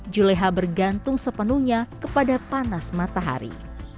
juleha bergantung sepenuhnya kepada panas matahari